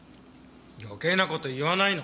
余計な事言わないの！